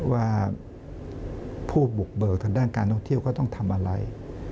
ว่าผู้บุกเบิกทางด้านการท่องเที่ยวก็ต้องทำอะไร